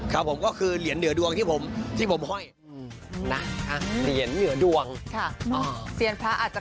ครับผมก็คือเหรียญเหนือดวงที่ผมที่ผมห้อย